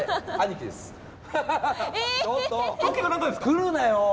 来るなよ！